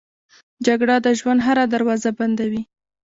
جګړه د ژوند هره دروازه بندوي